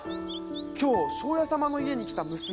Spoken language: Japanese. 今日庄屋様の家に来た娘